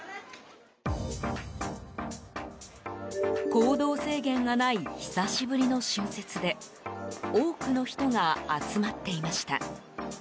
行動制限がない久しぶりの春節で多くの人が集まっていました。